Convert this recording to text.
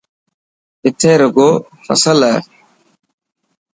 اٿي رڳو فصل هي.